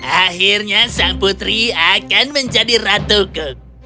akhirnya sang putri akan menjadi ratuku